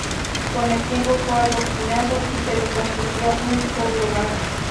Con el tiempo fue adoquinado y se le construyó un "boulevard".